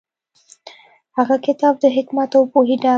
هغه کتاب د حکمت او پوهې ډک و.